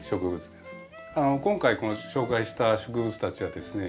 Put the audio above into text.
今回この紹介した植物たちはですね